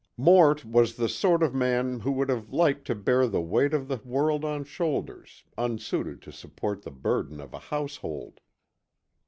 Mort was the sort of man who would have liked to bear the weight of the world on shoulders unsuited to support the burden of a household.